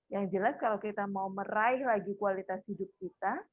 yang jelas kalau kita mau meraih lagi kualitas hidup kita